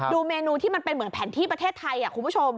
เมนูที่มันเป็นเหมือนแผนที่ประเทศไทยคุณผู้ชม